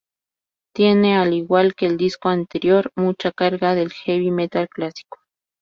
Tiene, al igual que el disco anterior, mucha carga del heavy metal clásico.